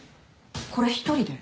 これ１人で？